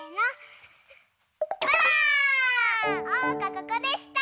ここでした！